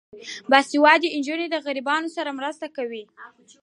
باسواده نجونې د غریبانو سره مرسته کوي.